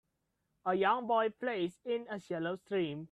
A young boy plays in a shallow stream.